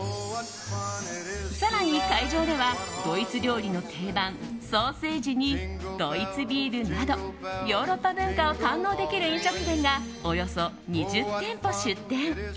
更に会場では、ドイツ料理の定番ソーセージにドイツビールなどヨーロッパ文化を堪能できる飲食店が、およそ２０店舗出店。